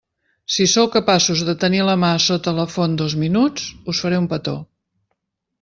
Si sou capaços de tenir la mà sota la font dos minuts, us faré un petó.